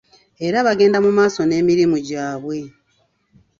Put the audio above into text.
Era bagende mu maaso n’emirimu gyabwe.